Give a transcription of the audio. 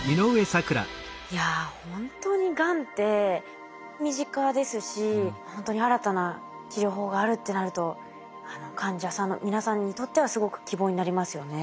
いやほんとにがんって身近ですしほんとに新たな治療法があるってなると患者さんの皆さんにとってはすごく希望になりますよね。